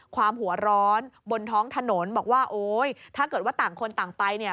ความหัวร้อนบนท้องถนนบอกว่าโอ๊ยถ้าเกิดว่าต่างคนต่างไปเนี่ย